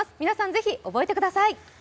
皆さんぜひ覚えてください。